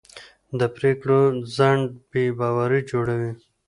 د پرېکړو ځنډ بې باوري جوړوي